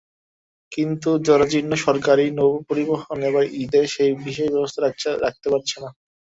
কিন্তু জরাজীর্ণ সরকারি নৌপরিবহন এবারের ঈদে সেই বিশেষ ব্যবস্থা রাখতে পারছে না।